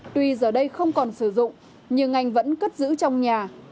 tuy giờ đây không còn sử dụng nhưng anh vẫn cất giữ trong nhà